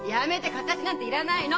形なんていらないの！